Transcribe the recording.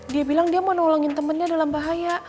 dia bilang dia mau nolongin temennya dalam bahaya